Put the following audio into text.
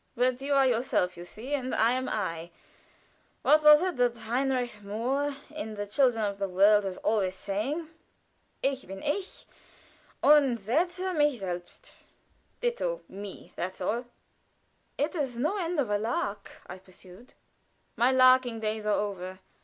"But you are yourself, you see, and I am I. What was it that Heinrich Mohr in 'The Children of the World' was always saying? Ich bin ich, und setze mich selbst. Ditto me, that's all." "It is no end of a lark," I pursued. "My larking days are over."